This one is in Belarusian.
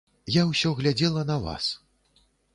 Я ўсё глядзела на вас.